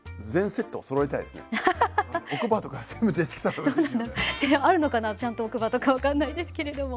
全部やりたいしこれもうあるのかなちゃんと奥歯とか分かんないですけれども。